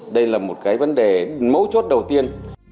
đây là một cái vấn đề mấu chốt đầu tiên